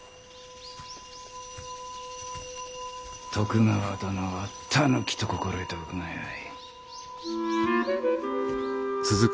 徳川殿は狸と心得ておくがよい。